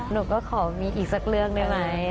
หนูก็ขอมีอีกสักเรื่องได้ไหม